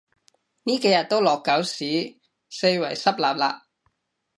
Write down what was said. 呢幾日都落狗屎，四圍濕 𣲷𣲷